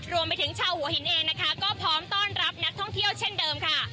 รวมไปถึงชาวหัวหินเองนะคะก็พร้อมต้อนรับนักท่องเที่ยวเช่นเดิมค่ะ